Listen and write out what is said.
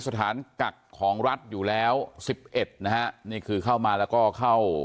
สถานกักของรัฐอยู่แล้วสิบเอ็ดนะฮะนี่คือเข้ามาแล้วก็เข้า